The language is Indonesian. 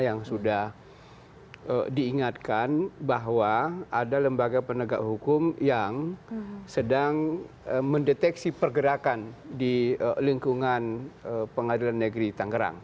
yang sudah diingatkan bahwa ada lembaga penegak hukum yang sedang mendeteksi pergerakan di lingkungan pengadilan negeri tangerang